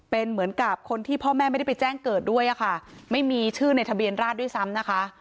เป็นเหมือนกับคนที่พ่อแม่ไม่ได้ไปแจ้งเกิดด้วยอะค่ะไม่มีชื่อในทะเบียนราชด้วยซ้ำนะคะ